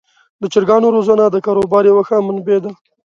د چرګانو روزنه د کاروبار یوه ښه منبع ده.